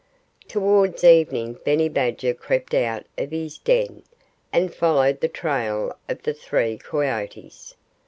Towards evening Benny Badger crept out of his den and followed the trail of the three coyotes.